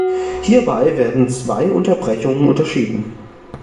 Hierbei werden zwei Unterbrechungen unterschieden.